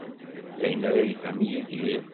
D ayen ara yefhem Yidir.